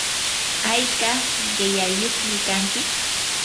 ¿ayka qillayyuqmi kanki?